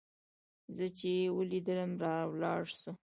زه چې يې وليدلم راولاړ سو.